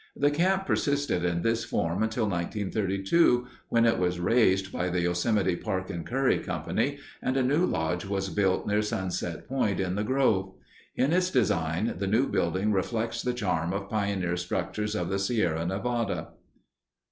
The camp persisted in this form until 1932, when it was razed by the Yosemite Park and Curry Company, and a new lodge was built near Sunset Point in the Grove. In its design the new building reflects the charm of pioneer structures of the Sierra Nevada.